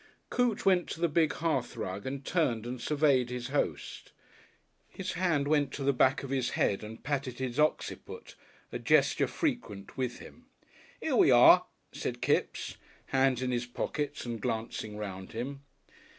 Coote went to the big hearthrug and turned and surveyed his host. His hand went to the back of his head and patted his occiput a gesture frequent with him. "'Ere we are," said Kipps, hands in his pockets and glancing round him.